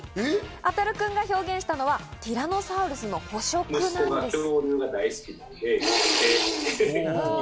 あたる君が表現したのはティラノサウルスの捕食なんです。